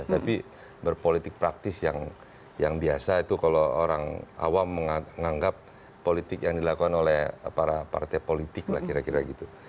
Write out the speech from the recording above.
tapi berpolitik praktis yang biasa itu kalau orang awam menganggap politik yang dilakukan oleh para partai politik lah kira kira gitu